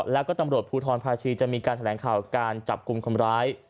แล้วก็ตำรวจภูทรภาชีจะมีการแถลงข่าวการจับกลุ่มคนร้าย